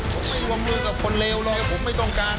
ผมไม่ว่ำลุกกับคนเลวหรอกผมไม่ต้องการ